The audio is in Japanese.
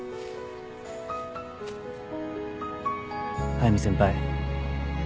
速見先輩。